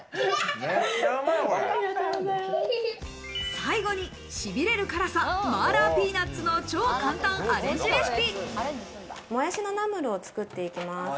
最後に、しびれる辛さ、麻辣ピーナッツの超簡単アレンジレシピ。